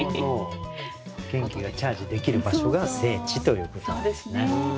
元気がチャージできる場所が聖地ということなんですね。